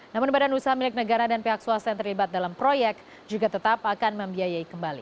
namun badan usaha milik negara dan pihak swasta yang terlibat dalam proyek juga tetap akan membiayai kembali